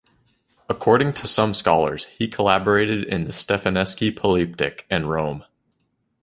According to some scholars, he collaborated in the Stefaneschi Polyptych in Rome.